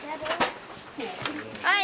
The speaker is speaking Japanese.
はい